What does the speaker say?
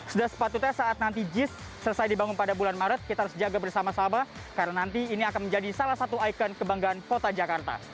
sudah sepatutnya saat nanti jis selesai dibangun pada bulan maret kita harus jaga bersama sama karena nanti ini akan menjadi salah satu ikon kebanggaan kota jakarta